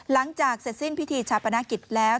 หลังจากเสร็จสิ้นพิธีชาปนกิจแล้ว